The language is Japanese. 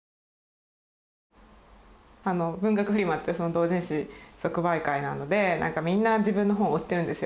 文学フリマって同人誌即売会なのでみんな自分の本を売ってるんですよ。